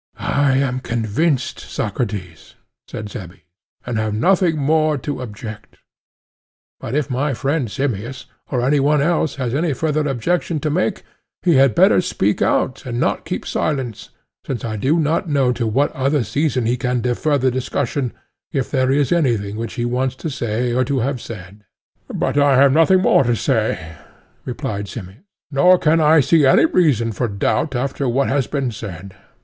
I am convinced, Socrates, said Cebes, and have nothing more to object; but if my friend Simmias, or any one else, has any further objection to make, he had better speak out, and not keep silence, since I do not know to what other season he can defer the discussion, if there is anything which he wants to say or to have said. But I have nothing more to say, replied Simmias; nor can I see any reason for doubt after what has been said.